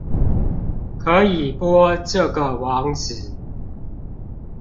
可以播這個網址